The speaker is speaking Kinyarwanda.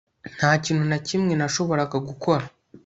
nta kintu na kimwe nashoboraga gukora